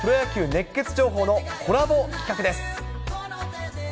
熱ケツ情報のコラボ企画です。